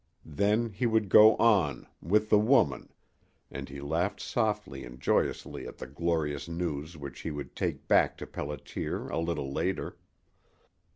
Then he would go on with the woman and he laughed softly and joyously at the glorious news which he would take back to Pelliter a little later.